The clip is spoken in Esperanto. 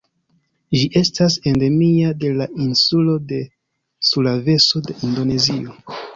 Ĝi estas endemia de la insulo de Sulaveso de Indonezio.